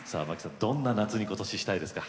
どんな夏に今年したいですか？